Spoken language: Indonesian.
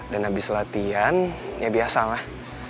dan yabis latihan ya biasalah